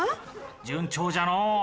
順調じゃのう。